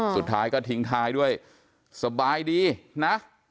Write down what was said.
สุดท้ายก็ทิ้งท้ายด้วยสบายดีนะ